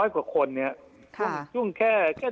๓๐๐กว่าคนเนี่ยซึ่งแค่